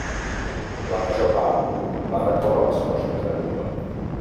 La major part va recórrer les costes de Cuba.